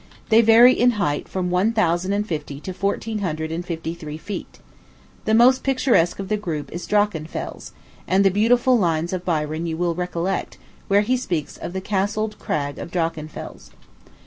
They vary in height from one thousand and fifty to fourteen hundred and fifty three feet. The most picturesque of the group is Drachenfels; and the beautiful lines of Byron you will recollect, where he speaks of "the castled crag of Drachenfels."